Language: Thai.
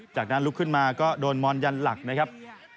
จากนั้นลุกขึ้นมาก็โดนมอนยันหลักนะครับ